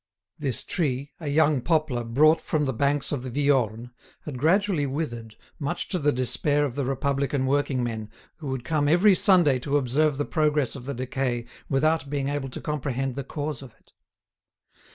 This tree, a young poplar brought from the banks of the Viorne, had gradually withered, much to the despair of the republican working men, who would come every Sunday to observe the progress of the decay without being able to comprehend the cause of it.